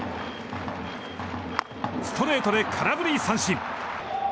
ストレートで空振り三振。